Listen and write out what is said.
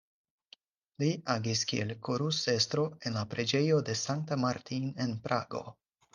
Li agis kiel korusestro en la Preĝejo de Sankta Martin en Prago.